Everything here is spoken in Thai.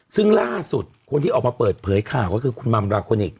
ซึ่งล่าสุดคนที่ออกมาเปิดเผยข่าวก็คือคุณมัมราโคนิค